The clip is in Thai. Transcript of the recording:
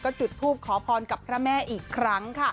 จุดทูปขอพรกับพระแม่อีกครั้งค่ะ